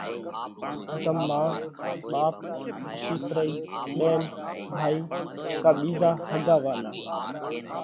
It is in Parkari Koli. زم مان، ٻاپ، اشِيترئِي، ٻينَ، ڀائِي ڪا ٻِيزا ۿڳا والا۔